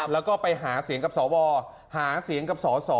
แล้วก็ไปหาเสียงกับสวหาเสียงกับสส